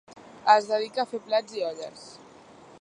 Es dedica a fer plats i olles.